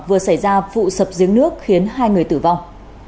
vừa xảy ra vụ sập giếng nước khiến hai người tử vong